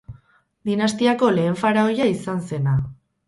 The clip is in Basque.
Dinastiako lehen faraoia izan zena.